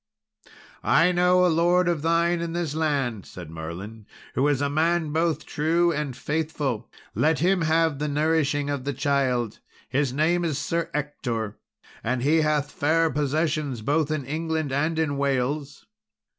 "I know a lord of thine in this land," said Merlin, "who is a man both true and faithful; let him have the nourishing of the child. His name is Sir Ector, and he hath fair possessions both in England and in Wales.